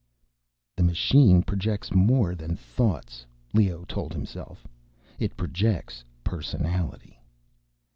The machine projects more than thoughts, Leoh told himself. _It projects personality.